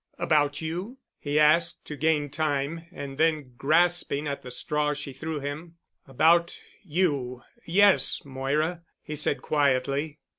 "About you?" he asked to gain time, and then, grasping at the straw she threw him, "about—you—yes—Moira," he said quietly.